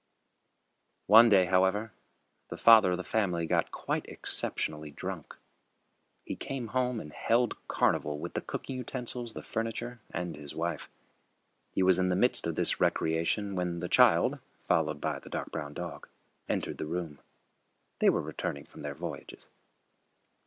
One day, however, the father of the family got quite exceptionally drunk. He came home and held carnival with the cooking utensils, the furniture and his wife. He was in the midst of this recreation when the child, followed by the dark brown dog, entered the room. They were returning from their voyages.